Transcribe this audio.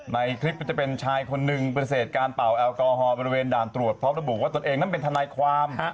ในคลิปก็จะเป็นชายคนหนึ่งปฏิเสธการเป่าแอลกอฮอลบริเวณด่านตรวจพร้อมระบุว่าตนเองนั้นเป็นทนายความ